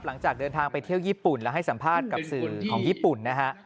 หลังจากเดินทางไปเที่ยวญี่ปุ่นแล้วให้สัมภาษณ์กับสื่อของญี่ปุ่นนะฮะ